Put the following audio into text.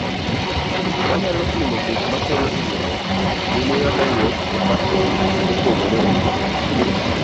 Wanyalo pimo gik ma kelo hinyruok gi muya mawuok e faktori mopogore opogore.